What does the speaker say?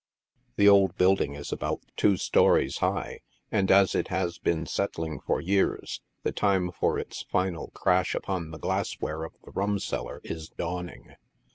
The old building is about two stories A COCK PIT. 21 high, and as it has been settling for years, the time for its final crash upon the glassware of the rumseller is dawning.